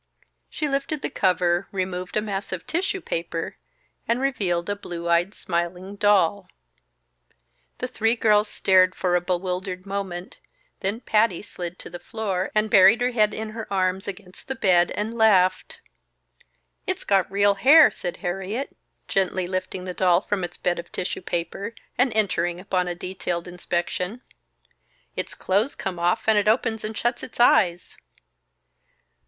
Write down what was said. She lifted the cover, removed a mass of tissue paper, and revealed a blue eyed, smiling doll. The three girls stared for a bewildered moment, then Patty slid to the floor, and buried her head in her arms against the bed and laughed. "It's got real hair!" said Harriet, gently lifting the doll from its bed of tissue paper, and entering upon a detailed inspection. "Its clothes come off, and it opens and shuts its eyes."